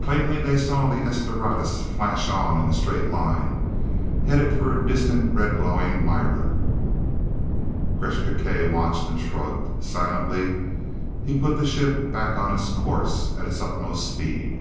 Plainly they saw the "S Doradus" flash on, in a straight line, headed for distant, red glowing Mira. Gresth Gkae watched, and shrugged. Silently he put the ship back on its course, at its utmost speed.